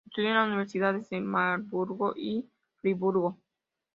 Estudió en las universidades de Marburgo y Friburgo.